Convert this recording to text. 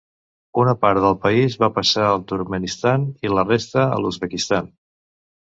Una part del país va passar al Turkmenistan i la resta a l'Uzbekistan.